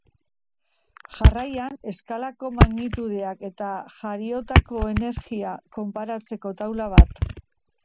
Jarraian, eskalako magnitudeak eta jariotako energia konparatzeko taula bat.